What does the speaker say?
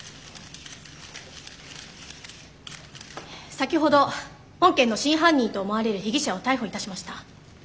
先ほど本件の真犯人と思われる被疑者を逮捕いたしました。